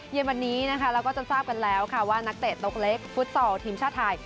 เย็นวันนี้นะคะเราก็จะทราบกันแล้วค่ะว่านักเตะตกเล็กฟุตซอลทีมชาติไทย